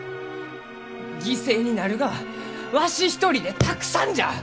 犠牲になるがはわし一人でたくさんじゃ！